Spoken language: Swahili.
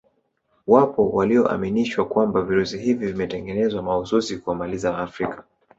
Wapo walioaminishwa kwamba virusi hivi vimetengenezwa mahususi kuwamaliza wafrika